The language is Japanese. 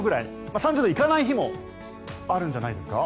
３０度行かない日もあるんじゃないですか？